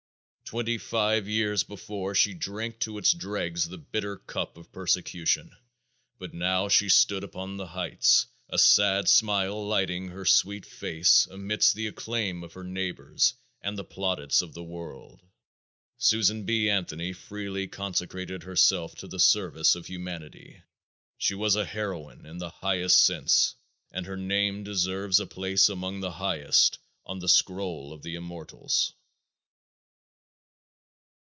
Twenty five years before she drank to its dregs the bitter cup of persecution, but now she stood upon the heights, a sad smile lighting her sweet face, amidst the acclaims of her neighbors and the plaudits of the world. Susan B. Anthony freely consecrated herself to the service of humanity; she was a heroine in the highest sense and her name deserves a place among the highest on the scroll of the immortals.